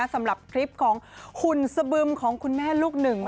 สำหรับคลิปของหุ่นสบึมของคุณแม่ลูกหนึ่ง